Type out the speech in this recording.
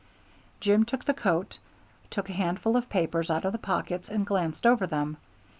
Jim took the coat, took a handful of papers out of the pockets and glanced over them.